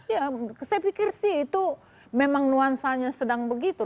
ya saya pikir sih itu memang nuansanya sedang begitu